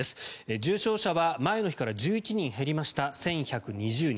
重症者は前の日から１１人減りました１１２０人。